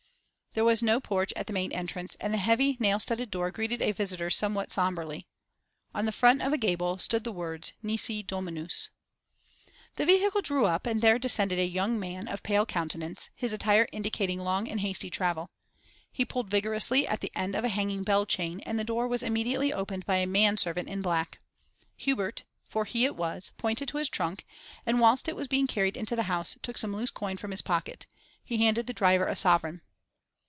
There was no porch at the main entrance, and the heavy nail studded door greeted a visitor somewhat sombrely. On the front of a gable stood the words 'Nisi Dominus.' The vehicle drew up, and there descended a young man of pale countenance, his attire indicating long and hasty travel. He pulled vigorously at the end of a hanging bell chain, and the door was immediately opened by a man servant in black. Hubert, for he it was, pointed to his trunk, and, whilst it was being carried into the house, took some loose coin from his pocket. He handed the driver a sovereign.